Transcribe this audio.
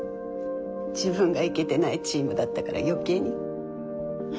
自分がイケてないチームだったから余計に。